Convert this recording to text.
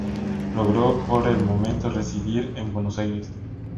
Logró por el momento residir en Buenos Aires.